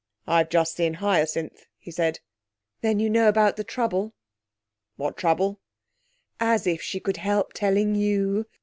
'I've just seen Hyacinth,' he said. 'Then you know about the trouble?' 'What trouble?' 'As if she could help telling you!